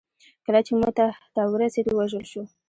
کله چې موته ته ورسېد ووژل شو.